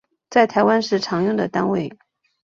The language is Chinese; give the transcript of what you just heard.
在台湾是常用的单位